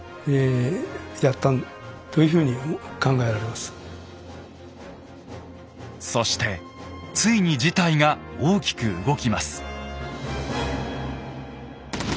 要するにそしてついに事態が大きく動きます。